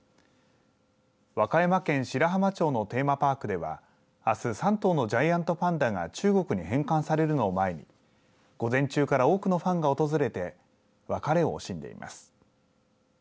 和歌山県白浜町のテーマパークではあす３頭のジャイアントパンダが中国に返還されるのを前に午前中から多くのファンが訪れて別れを惜しんでいます。